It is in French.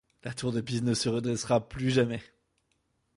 La tour de Pise ne se redressera plus jamais.